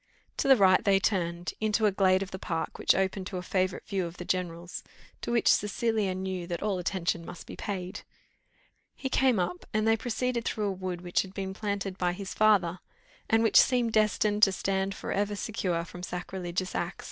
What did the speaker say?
To the right they turned, into a glade of the park, which opened to a favourite view of the general's, to which Cecilia knew that all attention must be paid. He came up, and they proceeded through a wood which had been planted by his father, and which seemed destined to stand for ever secure from sacrilegious axe.